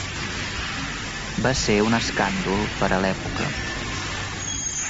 Va ser un escàndol per a l'època.